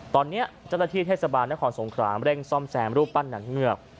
ตอนนี้เจ้าหน้าที่เทศบาลนครสงครามเร่งซ่อมแซมรูปปั้นหนังเงือก